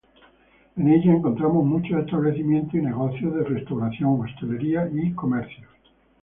En ella encontramos muchos establecimientos y negocios de restauración, hostelería y comercios.